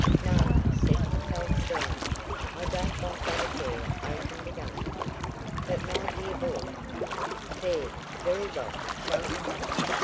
"No," said Capel, sternly. "I don't want that affair opened again." "But my dear boy " "There; very well. Show him up."